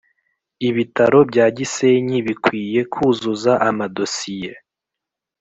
Ibitaro bya Gisenyi bikwiye kuzuza amadosiye